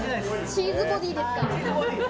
チーズボディーです。